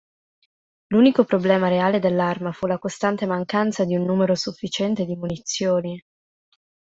L'unico problema reale dell'arma fu la costante mancanza di un numero sufficiente di munizioni.